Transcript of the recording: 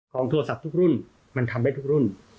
โทรศัพท์ทุกรุ่นมันทำได้ทุกรุ่น